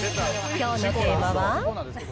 きょうのテーマは？